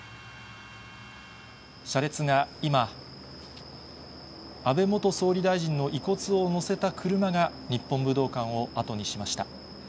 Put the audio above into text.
車列が今、安倍元総理大臣の遺骨を乗せた車が、日本武道館を後にしました。